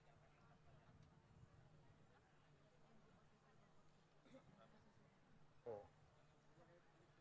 syukur aku sembahkan kehadiran mu